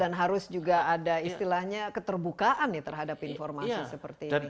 dan harus juga ada istilahnya keterbukaan ya terhadap informasi seperti ini